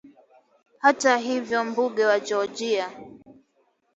Hata hivyo mbunge wa Georgia